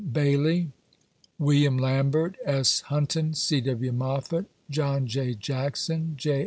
Bailey, William Lambert, S. Huston, C. W. Moffit, John J. Jackson, J.